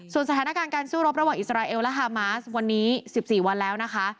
ส่วนสถานการณ์การสู้รบระหว่างอิสราเอลและฮามาสวันนี้๑๔วันแล้วนะคะ